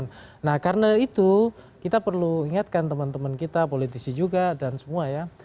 nah karena itu kita perlu ingatkan teman teman kita politisi juga dan semua ya